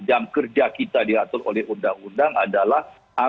jam kerja kita diatur oleh undang undang adalah